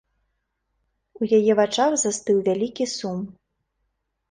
У яе вачах застыў вялікі сум.